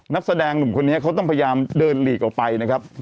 นักแสดงหนุ่มคนนี้เขาต้องพยายามเดินหลีกออกไปนะครับ